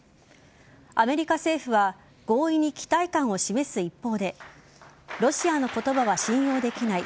アメリカ政府は合意に期待感を示す一方でロシアの言葉は信用できない。